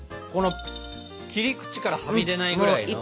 この切り口からはみ出ないぐらいの。